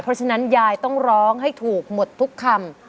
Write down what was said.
เพราะฉะนั้นยายต้องร้องให้ถูกหมดทุกคำ